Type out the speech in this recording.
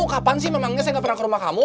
kapan sih memangnya saya gak pernah ke rumah kamu